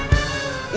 iya keluar kota